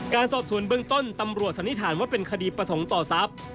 การสอบสวนเบื้องต้นตำรวจสันนิษฐานว่าเป็นคดีประสงค์ต่อทรัพย์